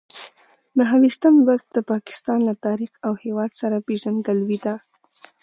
نهه ویشتم لوست د پاکستان له تاریخ او هېواد سره پېژندګلوي ده.